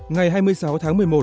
ngày hai mươi sáu tháng một mươi một